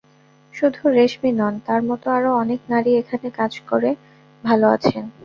শুধু রেশমী নন, তাঁর মতো আরও অনেক নারী এখানে কাজ করে ভালো আছেন।